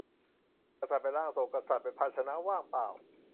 กษัตริย์เป็นร่างทรง กษัตริย์เป็นภาชนะว่างเปล่า